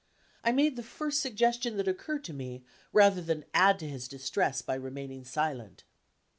I made the first suggestion that occurred to me, rather than add to his distress by remaining silent.